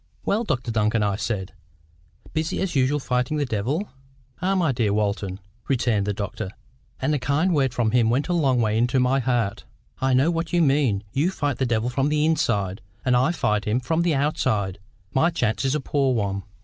"Well, Dr Duncan," I said, "busy as usual fighting the devil." "Ah, my dear Mr Walton," returned the doctor—and a kind word from him went a long way into my heart—"I know what you mean. You fight the devil from the inside, and I fight him from the outside. My chance is a poor one."